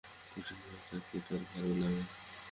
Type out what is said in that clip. কঠিন হয়ে থাকতেই তাঁর ভালো লাগে।